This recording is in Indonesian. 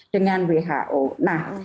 dengan who nah